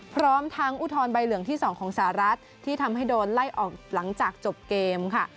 พร้อมทั้งอุทธรณ์ใบเหลืองที่๒ของสหรัฐที่ทำให้โดนไล่ออกหลังจากจบเกมค่ะ